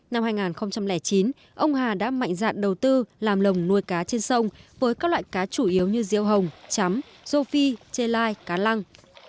năm hai nghìn chín ông hà đã mạnh dạn đầu tư làm lồng nuôi cá trên sông với các loại cá chủ yếu như riêu hồng chấm rô phi chê lai cá lăng